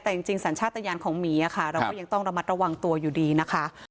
แต่จริงสัญชาติยานของหมีค่ะเราก็ยังต้องระมัดระวังตัวอยู่ดีนะคะ